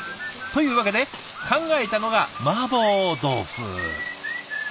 というわけで考えたのがマーボー豆腐。